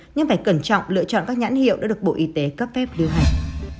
nhưng phải cẩn trọng lựa chọn các nhãn hiệu đã được bộ y tế cấp phép lưu hành